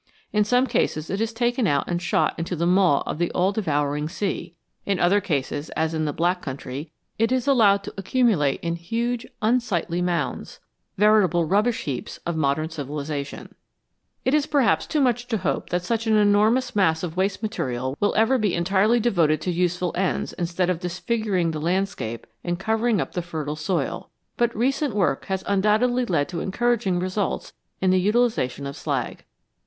In some cases it is taken out and shot into the maw of the all de vouring sea. In other cases, as in the Black Country, it is allowed to accumulate in huge, unsightly mounds veritable rubbish heaps of modern civilisation. 271 THE VALUE OF THE BY PRODUCT It is perhaps too much to hope that such an enormous mass of waste material will ever be entirely devoted to useful ends instead of disfiguring the landscape and covering up the fertile soil, but recent work has un doubtedly led to encouraging results in the utilisation of slag.